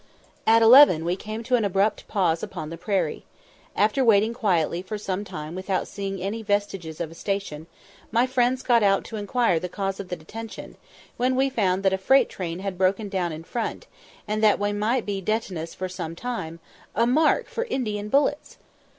At eleven we came to an abrupt pause upon the prairie. After waiting quietly for some time without seeing any vestiges of a station, my friends got out to inquire the cause of the detention, when we found that a freight train had broken down in front, and that we might be detenus for some time, a mark for Indian bullets!